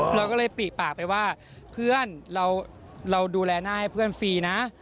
เราก็เลยปิปากไปว่าเพื่อนเราดูแลหน้าให้เพื่อนฟรีนะ